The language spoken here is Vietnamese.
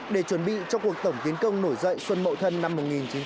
để chuẩn bị cho cuộc tổng tiến công nổi dậy xuân mậu thân năm một nghìn chín trăm bảy mươi